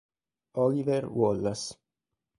Oliver Wallace